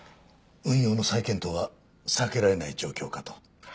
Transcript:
運用の再検討は避けられない状況かと。